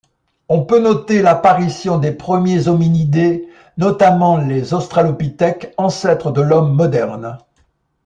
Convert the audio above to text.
On peut noter l'apparition des premiers hominidés, notamment les australopithèques, ancêtres de l'homme moderne.